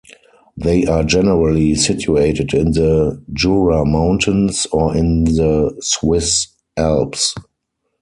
They are generally situated in the Jura Mountains or in the Swiss Alps.